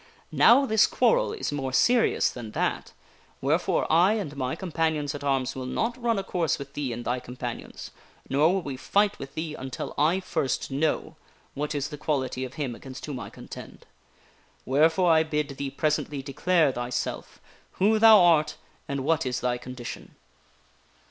Now this quarrel is more serious than that, wherefore I and my companions at arms will not run a course with thee and thy companions; nor will we fight with The Duke of thee until I first know what is the quality of him against whom ^ ort h Umber I contend. Wherefore, I bid thee presently declare thyself, r j% k the who thou art and what is thy condition."